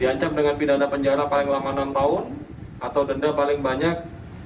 diancam dengan pidana penjara paling lama enam tahun atau denda paling banyak